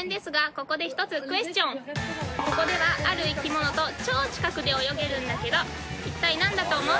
ここではある生き物と超近くで泳げるんだけど一体何だと思う？